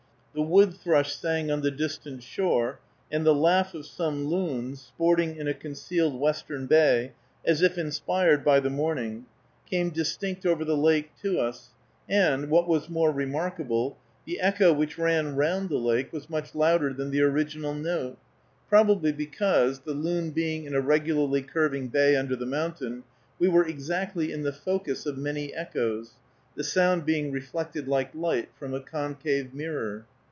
The wood thrush sang on the distant shore, and the laugh of some loons, sporting in a concealed western bay, as if inspired by the morning, came distinct over the lake to us, and, what was more remarkable, the echo which ran round the lake was much louder than the original note; probably because, the loon being in a regularly curving bay under the mountain, we were exactly in the focus of many echoes, the sound being reflected like light from a concave mirror.